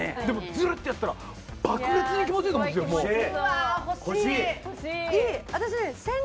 でもズルってやったら爆裂に気持ちいいと思うんですよ。